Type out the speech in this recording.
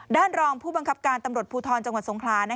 รองผู้บังคับการตำรวจภูทรจังหวัดสงครา